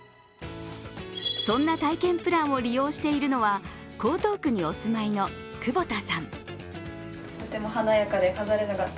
そんな体験プランを利用しているのは江東区にお住まいの久保田さん。